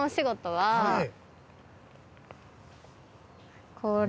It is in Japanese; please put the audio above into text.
はい。